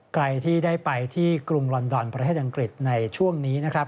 ใครที่ได้ไปที่กรุงลอนดอนประเทศอังกฤษในช่วงนี้นะครับ